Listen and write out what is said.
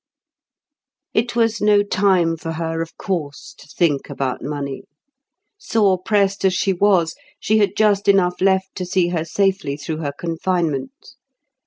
It was no time for her, of course, to think about money. Sore pressed as she was, she had just enough left to see her safely through her confinement.